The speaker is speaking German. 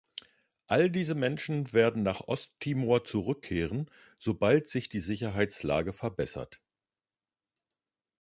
All diese Menschen werden nach Ost-Timor zurückkehren, sobald sich die Sicherheitslage verbessert.